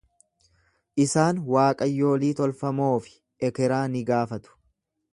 Isaan waaqayyolii tolfamoo fi ekeraa ni gaafatu.